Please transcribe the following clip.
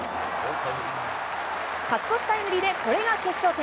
勝ち越しタイムリーでこれが決勝点。